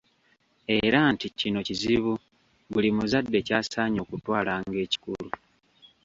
Era nti kino kizibu buli muzadde ky’asaanye okutwala ng’ekikulu.